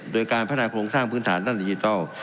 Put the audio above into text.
โดยการพัฒนาโครงสร้างพื้นฐานด้านดิจิทัล